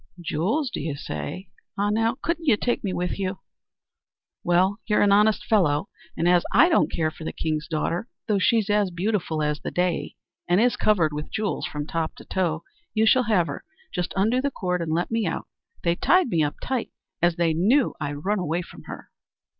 "Jewels, do you say? Ah, now, couldn't you take me with you?" "Well, you're an honest fellow, and as I don't care for the king's daughter, though she's as beautiful as the day, and is covered with jewels from top to toe, you shall have her. Just undo the cord and let me out; they tied me up tight, as they knew I'd run away from her."